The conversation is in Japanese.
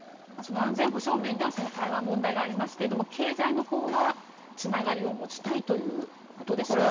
安全保障面では台湾問題がありますが経済のほうはつながりを持ちたいということでしょうか。